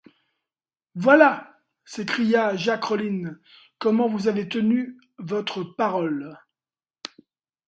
Voilà, s’écria Jacques Collin, comment vous avez tenu votre parole!